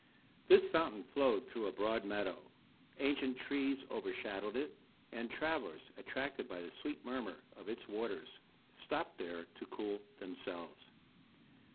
This fountain flowed through a broad meadow. Ancient trees overshadowed it, and travellers, attracted by the sweet murmur of its waters, stopped there to cool themselves.